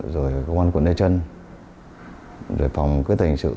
rồi công an quận đế trân rồi phòng cơ tài hình sự